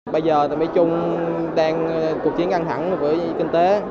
bây giờ mỹ trung đang cuộc chiến căng thẳng với kinh tế